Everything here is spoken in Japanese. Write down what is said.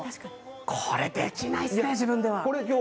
これできないっすね、自分では。